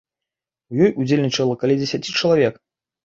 У ёй удзельнічала каля дзесяці чалавек.